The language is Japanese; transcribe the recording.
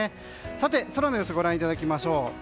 さて、空の様子をご覧いただきましょう。